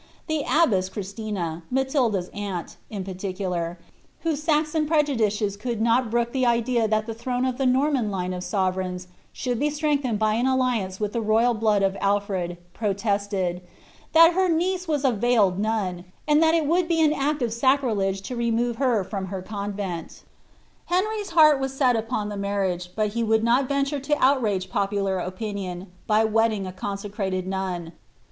* The abbess Christina, Matilda's aunt, in particular, whose Saxon prejudices could not brook the idea that the throne of the Norman line of sovereigns should be strengthened by an alliance with the royal blood of Alfred, protested, ^ that her niece was a veiled nun, and that it would be an act of sacrilege to remove her from her convent" Henry's heart was set upon the marriage, but he would not venture to outrage popular opinion, by wedding a consecrated nun.